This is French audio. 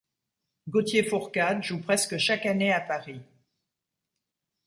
Gauthier Fourcade joue presque chaque année à Paris.